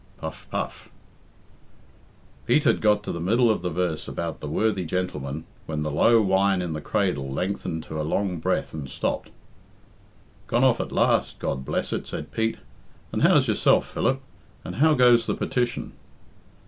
_" (Puff, Puff) Pete had got to the middle of the verse about "the worthy gentleman," when the low whine in the cradle lengthened to a long breath and stopped. "Gone off at last, God bless it," said Pete. "And how's yourself, Philip? And how goes the petition?"